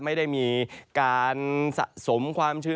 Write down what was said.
ไม่ได้มีการสะสมความชื้น